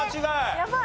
やばい。